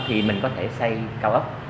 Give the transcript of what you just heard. thì mình có thể xây cao ốc